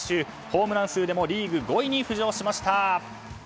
ホームラン数でもリーグ５位に浮上しました。